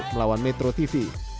melawan metro tv